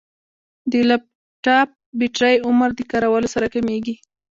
د لپټاپ بیټرۍ عمر د کارولو سره کمېږي.